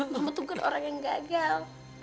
mama tuh kan orang yang gagal